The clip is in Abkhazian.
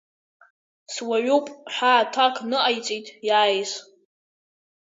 Суаҩуп, ҳәа аҭак ныҟаиҵеит иааиз.